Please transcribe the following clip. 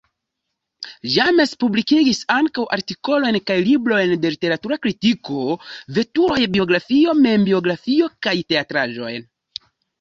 James publikigis ankaŭ artikolojn kaj librojn de literatura kritiko, veturoj, biografio, membiografio kaj teatraĵojn.